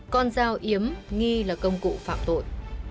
con dao yếm nghi là công cụ phạm tội